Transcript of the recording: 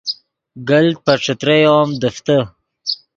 گلت پے ݯتریو ام دیفتے